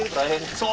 そう！